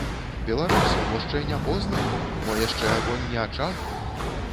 Беларусы, мо шчэ не позна, мо яшчэ агонь не ачах?